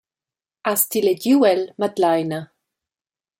Has ti legiu el, Madleina?